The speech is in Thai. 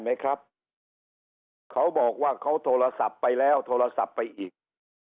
ไหมครับเขาบอกว่าเขาโทรศัพท์ไปแล้วโทรศัพท์ไปอีก